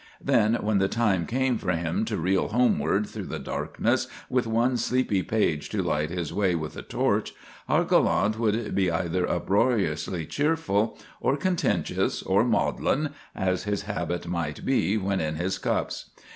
Then when the time came for him to reel homeward through the darkness with one sleepy page to light his way with a torch, our gallant would be either uproariously cheerful, or contentious, or maudlin, as his habit might be when in his cups.